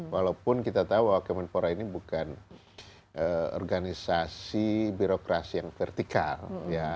walaupun kita tahu bahwa kemenpora ini bukan organisasi birokrasi yang vertikal ya